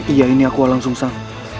iya ini aku walangsungsan